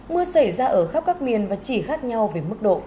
mưa xảy ra ở khắp các miền và chỉ khác nhau về mức độ